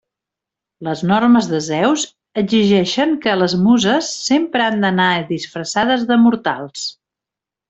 Les normes de Zeus exigeixen que les Muses sempre han d'anar disfressades de mortals.